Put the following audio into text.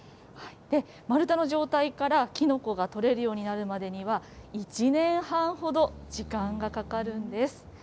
丸太の状態からきのこが採れるようになるまでには１年半ほど時間がかかるんです。